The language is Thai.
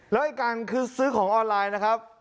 แล้วไอ้การคือซื้อของออนไลน์นะครับ